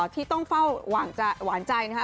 ที่ต้องเฝ้าหวานใจนะคะ